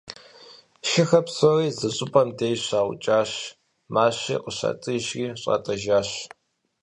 Шыхэр псори зы щӏыпӏэм деж щаукӏащ, мащи къыщатӏыжри щӏатӏэжащ.